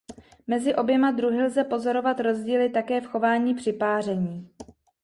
Mezi oběma druhy lze pozorovat rozdíly také v chování při páření.